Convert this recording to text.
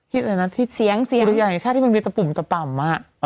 ที่อะไรนะที่อุริยาแห่งชาติที่มันมีตะปุ่มตะป่ำอ่ะ